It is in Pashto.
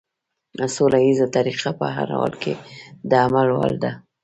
سوله ييزه طريقه په هر حال کې د عمل وړ ده.